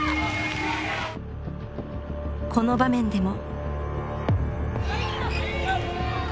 この場面でも。